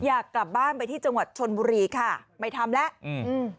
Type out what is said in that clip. อยากกลับบ้านไปที่จังหวัดชนบุรีค่ะไม่ทำแล้วอืม